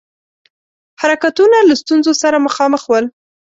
حرکتونه له ستونزو سره مخامخ ول.